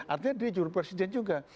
artinya dia juru presiden juga